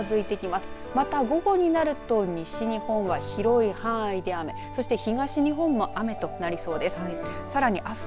また午後になると西日本は広い範囲で雨そして東日本も雨となりそうです。